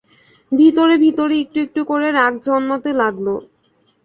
ভিতরে ভিতরে একটু একটু করে রাগ জন্মাতে লাগল।